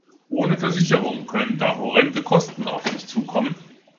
Ohne Versicherung können da horrende Kosten auf dich zukommen.